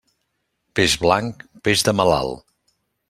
Peix blanc, peix de malalt.